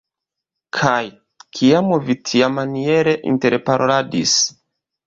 Kaj, kiam vi tiamaniere interparoladis?